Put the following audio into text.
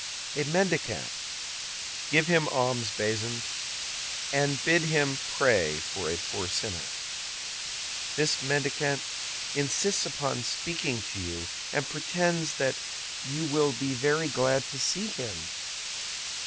"A mendicant." "Give him alms, Bazin, and bid him pray for a poor sinner." "This mendicant insists upon speaking to you, and pretends that you will be very glad to see him."